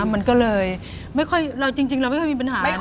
มันก็เลยเราจริงไม่ค่อยมีปัญหานะ